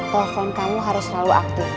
telepon kamu harus selalu aktif